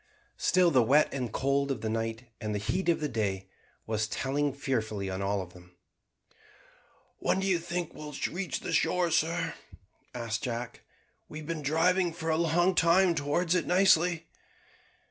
Still the wet and cold of the night, and the heat of the day, was telling fearfully on all of them. "When do you think we shall reach the shore, sir?" asked Jack. "We have been driving for a long time towards it nicely."